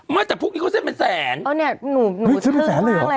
ไม่แต่พวกนี้เขาเสื้อเป็นแสนเออเนี่ยหนูหนูเสื้อเป็นแสนเลยอ่ะ